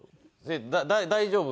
大丈夫？